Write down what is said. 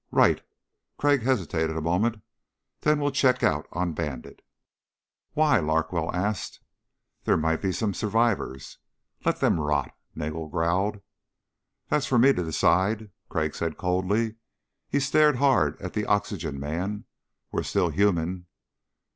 "Right." Crag hesitated a moment. "Then we'll check out on Bandit." "Why?" Larkwell asked. "There might be some survivors." "Let them rot," Nagel growled. "That's for me to decide," Crag said coldly. He stared hard at the oxygen man. "We're still human."